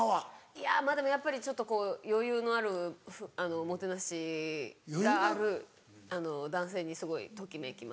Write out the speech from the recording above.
いやでもやっぱりちょっと余裕のあるもてなしがある男性にすごいときめきます。